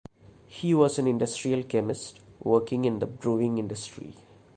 He was an industrial chemist working in the brewing industry.